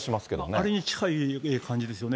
あれに近い感じですよね。